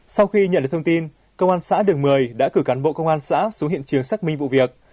sau khi nhận được thông tin công an xã đường mười đã cử cán bộ công an xã xuống hiện trường xác minh vụ việc